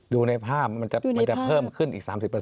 ดูในภาพมันจะเพิ่มขึ้นอีก๓๐